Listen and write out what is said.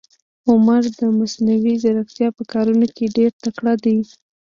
عمر د مصنوي ځیرکتیا په کارونه کې ډېر تکړه ده.